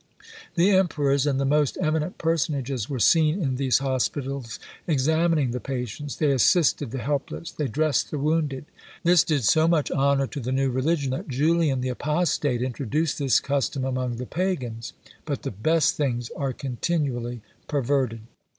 The emperors, and the most eminent personages, were seen in these hospitals, examining the patients; they assisted the helpless; they dressed the wounded. This did so much honour to the new religion, that Julian the Apostate introduced this custom among the pagans. But the best things are continually perverted.